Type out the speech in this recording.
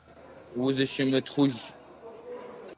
Узыщымытхъужь.